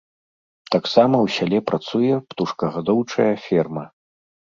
Таксама ў сяле працуе птушкагадоўчая ферма.